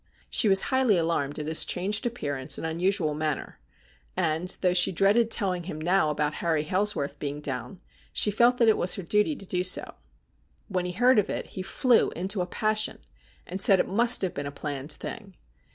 She was highly alarmed at his changed appearance and unusual manner ; and, though she dreaded telling him now about Harry Hailsworth being down, she felt that it was her duty to do so. When he heard of it he flew into a passion, and said it must have been a planned thing.